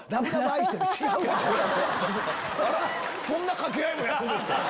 そんな掛け合いもやるんですか